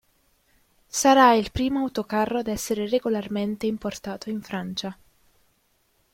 Sarà il primo autocarro ad essere regolarmente importato in Francia.